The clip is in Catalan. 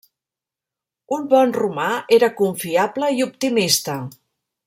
Un bon romà era confiable i optimista.